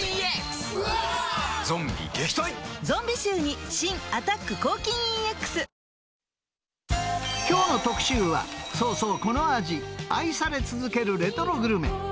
ゾンビ臭に新「アタック抗菌ＥＸ」きょうの特集は、そうそう、この味、愛され続けるレトログルメ。